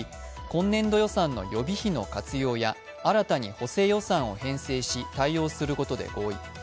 今年度予算の予備費の活用や新たに補正予算を編成することで合意。